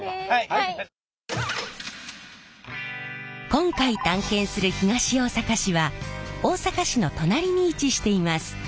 今回探検する東大阪市は大阪市の隣に位置しています。